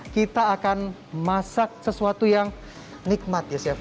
kita akan masak sesuatu yang nikmat ya chef